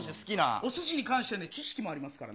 おすしに関して知識もありますからね。